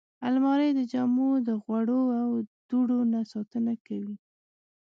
الماري د جامو د غوړو او دوړو نه ساتنه کوي